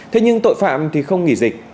thế nhưng tội phạm thì không nghỉ dịch